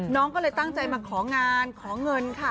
น้องก็เลยตั้งใจมาของานขอเงินค่ะ